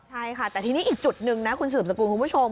ใช่ค่ะแต่ทีนี้อีกจุดหนึ่งนะคุณสืบสกุลคุณผู้ชม